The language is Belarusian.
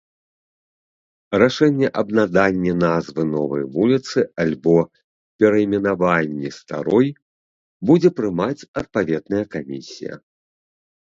Рашэнне аб наданні назвы новай вуліцы альбо перайменаванні старой будзе прымаць адпаведная камісія.